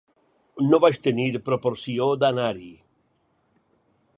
No vaig tenir proporció d'anar-hi.